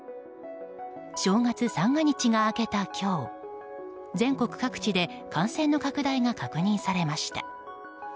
正月三が日が明けた今日全国各地で感染の拡大が確認されました。